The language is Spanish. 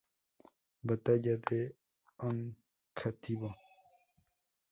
Batalla de Oncativo